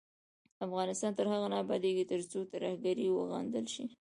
افغانستان تر هغو نه ابادیږي، ترڅو ترهګري وغندل شي.